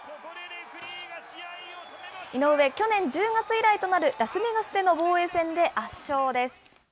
井上、去年１０月以来となるラスベガスでの防衛戦で圧勝です。